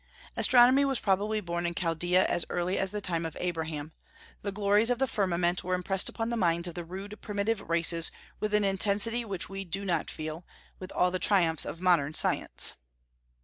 Astronomy was probably born in Chaldaea as early as the time of Abraham. The glories of the firmament were impressed upon the minds of the rude primitive races with an intensity which we do not feel, with all the triumphs of modern science.